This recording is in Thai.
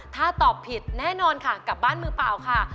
ถ้าตอบผิดแน่นอนค่ะกลับบ้านมือเปล่าค่ะ